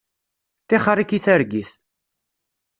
Tixeṛ-ik i targit.